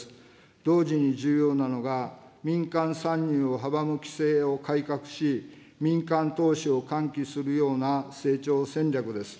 同時に重要なのが、民間参入を阻む規制を改革し、民間投資を喚起するような成長戦略です。